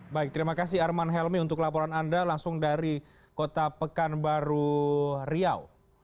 baik terima kasih arman helmi untuk laporan anda langsung dari kota pekanbaru riau